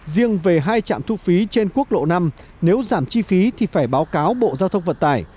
riêng về hai trạm thu phí trên quốc lộ năm nếu giảm chi phí thì phải báo cáo bộ giao thông vận tải